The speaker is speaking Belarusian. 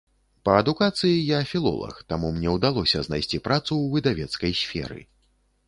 Па адукацыі я філолаг, таму мне ўдалося знайсці працу ў выдавецкай сферы.